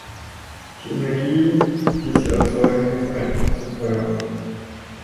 Die Energie, die sie erzeugen, ist einfach zu teuer.